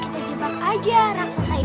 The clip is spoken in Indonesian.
kita jadi begini mak